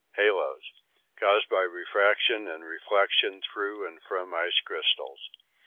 Halos. Caused by refraction and reflection through and from ice crystals.